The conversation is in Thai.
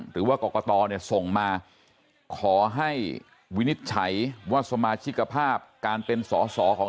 หรือว่ากรกตเนี่ยส่งมาขอให้วินิจฉัยว่าสมาชิกภาพการเป็นสอสอของ